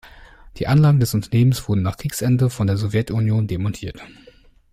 Die Anlagen des Unternehmens wurden nach Kriegsende von der Sowjetunion demontiert.